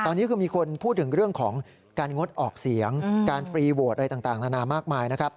ตอนนี้คือมีคนพูดถึงเรื่องของการงดออกเสียงการฟรีโหวตอะไรต่างนานามากมายนะครับ